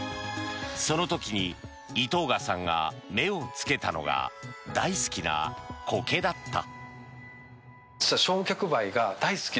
その時に井藤賀さんが目をつけたのが大好きなコケだった。